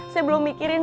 saya belum mikirin